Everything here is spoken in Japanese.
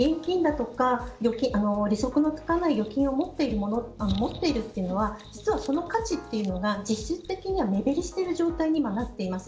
現金だとか利息のつかない預金を持っているというのはその価値が実質的には目減りしている状態になっています。